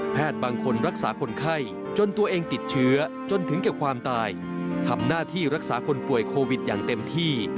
บางคนรักษาคนไข้จนตัวเองติดเชื้อจนถึงแก่ความตายทำหน้าที่รักษาคนป่วยโควิดอย่างเต็มที่